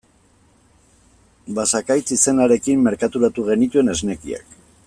Basakaitz izenarekin merkaturatu genituen esnekiak.